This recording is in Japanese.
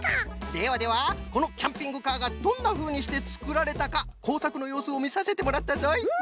ではではこのキャンピングカーがどんなふうにしてつくられたかこうさくのようすをみさせてもらったぞい。